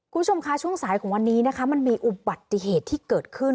คุณผู้ชมคะช่วงสายของวันนี้นะคะมันมีอุบัติเหตุที่เกิดขึ้น